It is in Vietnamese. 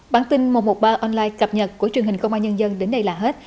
bản tin một trăm một mươi ba online cập nhật của truyền hình công an nhân dân đến đây là hết